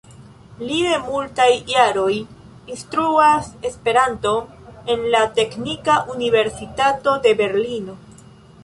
Li de multaj jaroj instruas Esperanton en la Teknika Universitato de Berlino.